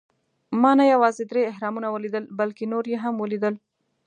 ما نه یوازې درې اهرامونه ولیدل، بلکې نور یې هم ولېدل.